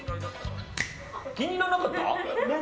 気に入らなかった？